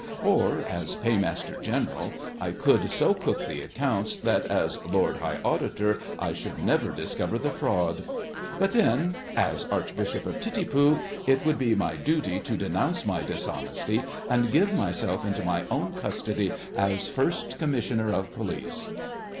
Or, as Paymaster General, I could so cook the accounts that, as Lord High Auditor, I should never discover the fraud. But then, as Archbishop of Titipu, it would be my duty to denounce my dishonesty and give myself into my own custody as first Commissioner of Police.